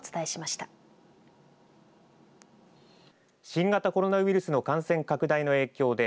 新型コロナウイルスの感染拡大の影響で